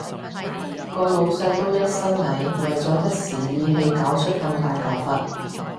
個老闆都一身蟻，為咗一時意氣搞出咁大頭佛